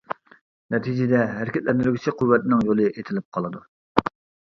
نەتىجىدە ھەرىكەتلەندۈرگۈچى قۇۋۋەتنىڭ يولى ئېتىلىپ قالىدۇ.